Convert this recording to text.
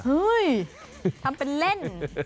เฮ้ยทำเป็นเล่น